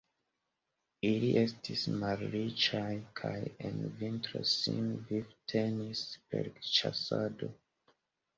Ili estis malriĉaj kaj en vintro sin vivtenis per ĉasado.